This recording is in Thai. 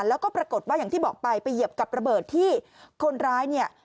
แล้วก็ปรากฏว่าอย่างที่บอกไปไปเหยียบกับระเบิดที่คนร้ายเนี่ย